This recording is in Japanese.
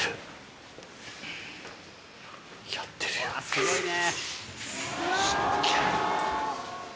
すごいね。